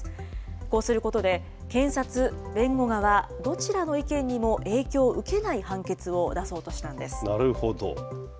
こうすることで、検察、弁護側どちらの意見にも影響を受けない判決を出そうとしたんです。